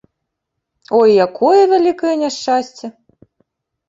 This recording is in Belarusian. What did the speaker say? Ой, якое вялікае няшчасце!